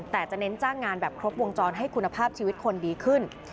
แต่จะเน้นจ้างงานแบบครบวงจรให้คุณภาพชีวิตคนดีขึ้น